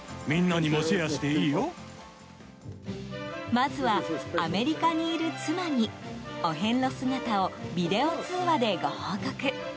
まずはアメリカにいる妻にお遍路姿をビデオ通話でご報告。